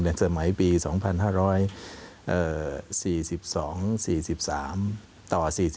สมัยปี๒๕๔๒๔๓ต่อ๔๔